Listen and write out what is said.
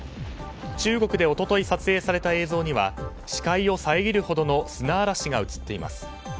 中国で一昨日撮影された映像には視界を遮るほどの砂嵐が映っています。